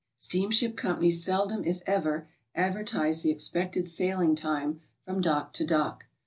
Steamship companies seldom if ever advertise the ex pected sailing time fro m dock to dock.